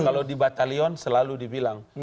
kalau di batalion selalu dibilang